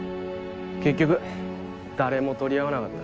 結局誰も取り合わなかった。